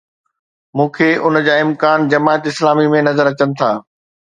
مون کي ان جا امڪان جماعت اسلامي ۾ نظر اچن ٿا.